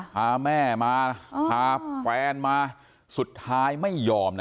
พาแม่มานะพาแฟนมาสุดท้ายไม่ยอมนะ